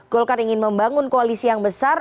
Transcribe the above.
golkar ingin membangun koalisi yang besar